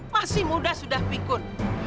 masih muda sudah pikun